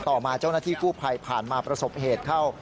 ต่อมาเจ้าหน้าที่กู้ภัยผ่านมาประสบเหตุเข้า